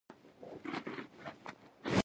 لړزې اخیستی وم ځکه دا مې لومړی ځل و